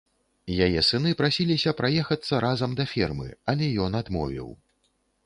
Яе сыны прасіліся праехацца разам да фермы, але ён адмовіў.